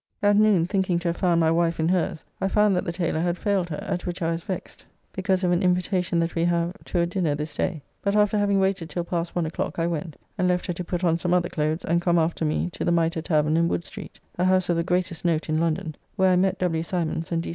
At noon thinking to have found my wife in hers, I found that the tailor had failed her, at which I was vexed because of an invitation that we have to a dinner this day, but after having waited till past one o'clock I went, and left her to put on some other clothes and come after me to the Mitre tavern in Wood street (a house of the greatest note in London), where I met W. Symons, and D.